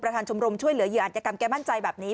ชมรมช่วยเหลือเหยื่ออัตยกรรมแกมั่นใจแบบนี้